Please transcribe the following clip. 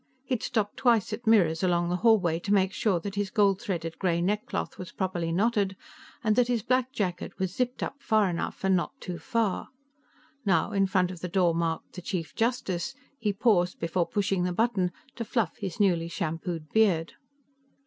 He'd stopped twice at mirrors along the hallway to make sure that his gold threaded gray neckcloth was properly knotted and that his black jacket was zipped up far enough and not too far. Now, in front of the door marked THE CHIEF JUSTICE, he paused before pushing the button to fluff his newly shampooed beard.